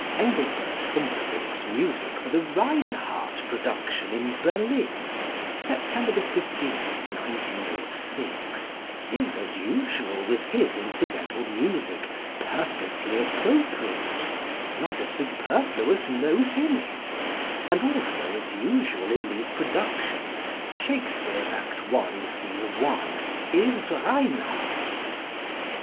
+Engelbert Humperdinck's+ music for the Reinhardt production in Berlin, September 15, 1906, is, as usual with his incidental music, perfectly appropriate not a superfluous note in it; and also as usual in these productions, Shakespeare's Act i., Scene 1, is Reinhardt's.